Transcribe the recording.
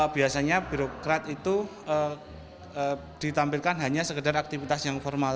biasanya birokrat itu ditampilkan hanya sekedar aktivitas yang formal